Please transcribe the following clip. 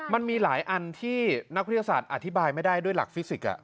มันมีหลายอันที่นักวิทยาศาสตร์อธิบายไม่ได้ด้วยหลักฟิสิกส์